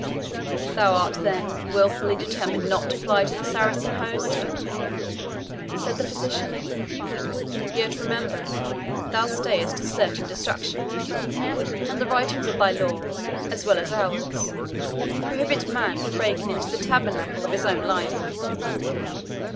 "Thou art, then, wilfully determined not to fly to the Saracen host?" said the physician. "Yet, remember, thou stayest to certain destruction; and the writings of thy law, as well as ours, prohibit man from breaking into the tabernacle of his own life."